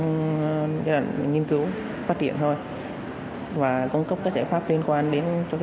giai đoạn nghiên cứu phát triển thôi và cung cấp các giải pháp liên quan đến cho cây hạ